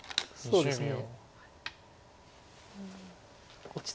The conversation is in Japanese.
そうですね。